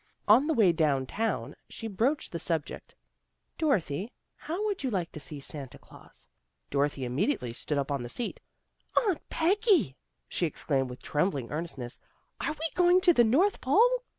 On the way down town, she broached the subject. " Dorothy, how would you like to see Santa Claus? " Dorothy immediately stood up on the seat. "Aunt Peggy! " she exclaimed with trembling earnestness, " Are we going to the North Pole?"